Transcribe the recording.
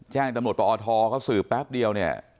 แจ้งตำรวจปอทเขาสืบแป๊บเดียวเนี่ย